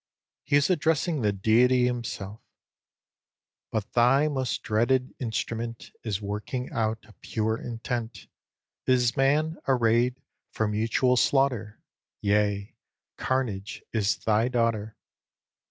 He is addressing the Deity himself: "But thy most dreaded instrument, In working out a pure intent, Is man, array'd for mutual slaughter: Yea, Carnage is thy daughter."